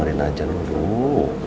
kamu dengerin aja namanya kum